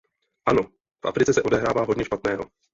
Ano, v Africe se odehrává hodně špatného.